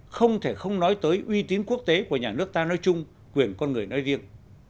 không thể không nói tới uy tín quốc tế của nhà nước ta nói chung quyền con người nói riêng